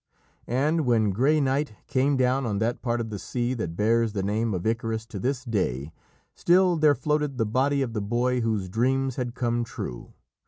And when grey night came down on that part of the sea that bears the name of Icarus to this day, still there floated the body of the boy whose dreams had come true.